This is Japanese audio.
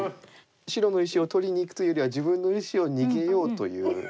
白の石を取りにいくというよりは自分の石を逃げようというふうな手ですね。